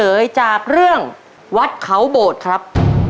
ข้อที่สองจะเฉลยจากเรื่องวัดเขาโบดครับ